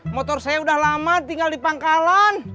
motor saya udah lama tinggal di pangkalan